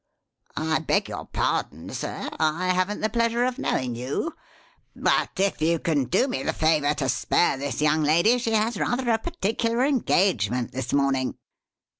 I beg your pardon Sir; I haven't the pleasure of knowing you; but if you can do me the favour to spare this young lady, she has rather a particular engagement this morning."